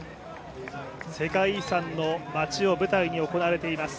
世界遺産の街を舞台に行われています。